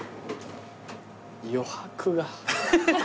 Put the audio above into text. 余白が。